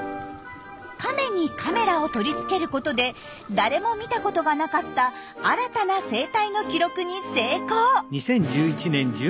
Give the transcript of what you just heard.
カメにカメラを取り付けることで誰も見たことがなかった新たな生態の記録に成功！